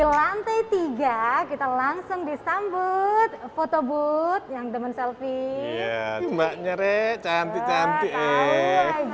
you di lantai tiga kita langsung disambut fotoboot jangan dapat selfie emaknya rez dateng dateng